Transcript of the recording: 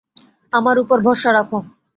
আমার উপর ভরসা রাখো।